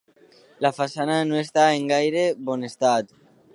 La façana no està en gaire bon estat.